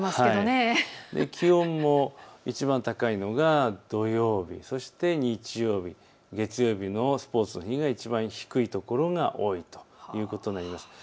気温もいちばん高いのが土曜日、そして日曜日、月曜日のスポーツの日がいちばん低い所が多いということになります。